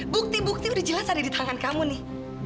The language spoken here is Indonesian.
bukti bukti udah jelas ada di tangan kamu nih